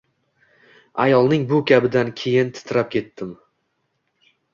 Ayolning bu gapidan keyin titrab ketdim